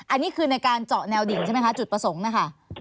อันนี้คือในการเจาะแนวดิ่งใช่ไหมคะจุดประสงค์นะคะ